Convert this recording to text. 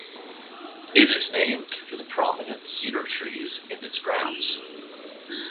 It is named for the prominent cedar trees in its grounds.